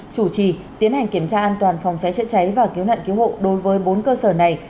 chủ trì tiến hành kiểm tra an toàn phòng trái trễ trái và cứu nạn cứu hộ đối với bốn cơ sở này